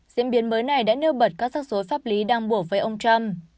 diễn biến mới này đã nêu bật các sắc dối pháp lý đang bổ với ông trump